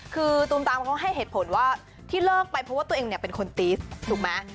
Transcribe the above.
คือตูมตามเขาให้เหตุผลว่าที่เลิกไปเพราะว่าตัวเองเนี่ยเป็นคนตีสถูกไหม